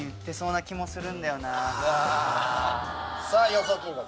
あ。予想金額。